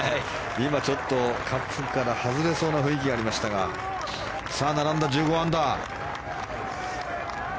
今、ちょっとカップから外れそうな雰囲気がありましたが並んだ１５アンダー。